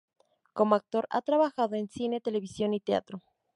Como actor ha trabajado en cine, televisión y teatro.